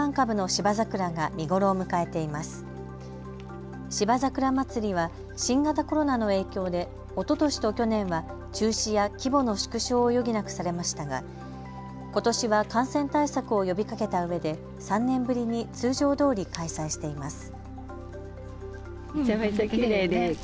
芝桜まつりは新型コロナの影響でおととしと去年は中止や規模の縮小を余儀なくされましたがことしは感染対策を呼びかけたうえで３年ぶりに通常どおり開催しています。